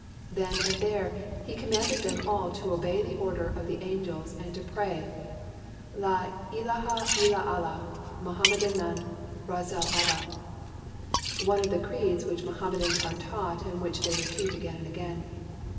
Then and there, he commanded them all to obey the order of the angels and to pray, " La Uaha illa Allah, Muhammedun Rasul Allah" — one of the creeds which Mohammedans are taught and which they repeat again and again.